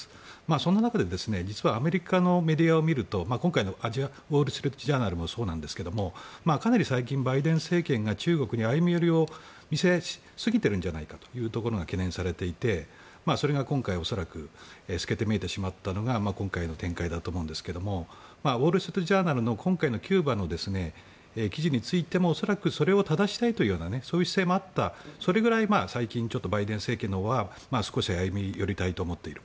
そんな中で、実はアメリカのメディアを見ると今回のウォール・ストリート・ジャーナルもそうなんですがかなり最近バイデン政権が中国に歩み寄りを見せすぎてるんじゃないかというところが懸念されていてそれが今回、恐らく透けて見えてしまったのが今回の展開だと思うんですがウォール・ストリート・ジャーナルの今回のキューバの記事についても恐らくそれをただしたいというそういう姿勢もあったそれぐらい最近、バイデン政権のほうは少し歩み寄りたいと思っている。